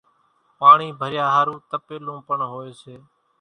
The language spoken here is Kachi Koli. پاڻِي ڀريا ۿارُو تپيلون پڻ هوئيَ سي۔